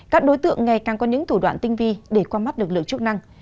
các đối tượng ngày càng có những thủ đoạn tinh vi để qua mắt lực lượng chức năng